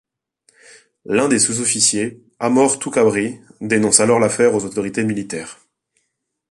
L'un des sous-officiers, Amor Toukabri, dénonce alors l'affaire aux autorités militaires.